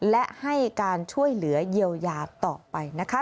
และให้การช่วยเหลือเยียวยาต่อไปนะคะ